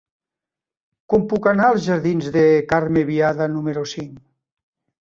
Com puc anar als jardins de Carme Biada número cinc?